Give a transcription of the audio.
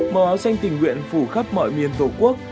màu áo xanh tình nguyện phủ khắp mọi miền tổ quốc